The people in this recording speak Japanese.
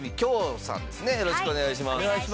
よろしくお願いします。